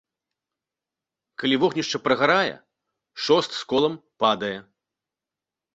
Калі вогнішча прагарае, шост з колам падае.